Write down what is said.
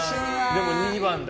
でも２番だ。